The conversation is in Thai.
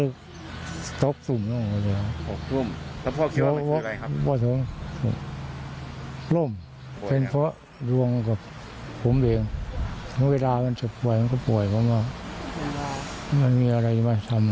ก็พอกลมแล้วเพราะเขียวว่ามันเป็นอะไรครับ